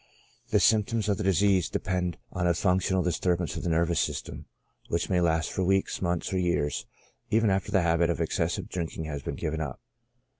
The symptoms of the disease depend on a functional dis turbance of the nervous system, which may last for weeks, months, or years, even after the habit of excessive drink ing has been given up.